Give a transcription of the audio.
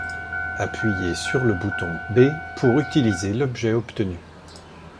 Appuyez sur le bouton B pour utiliser l’objet obtenu.